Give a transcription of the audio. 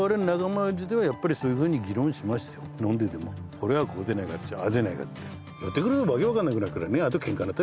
これはこうでないかああでないかって。